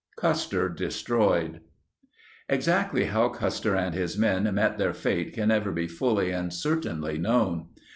Custer Destroyed Exactly how Custer and his men met their fate can never be fully and certainly known.